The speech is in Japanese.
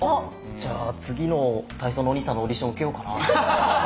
じゃあ次の体操のお兄さんのオーディション受けようかな。